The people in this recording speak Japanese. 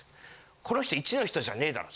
この人１の人じゃねぇだろ」。